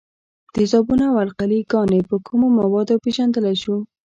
تیزابونه او القلي ګانې په کومو موادو پیژندلای شو؟